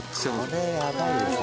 これやばいですね。